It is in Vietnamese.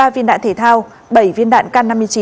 hai mươi ba viên đạn thể thao bảy viên đạn k năm mươi chín